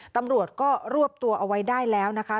ตำรวจก็รวบตัวเอาไว้ได้แล้วนะคะ